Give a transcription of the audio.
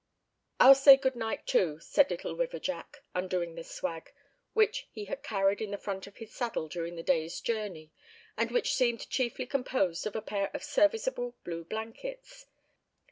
"I'll say good night, too," said Little River Jack, undoing the swag, which he had carried in the front of his saddle during the day's journey, and which seemed chiefly composed of a pair of serviceable blue blankets.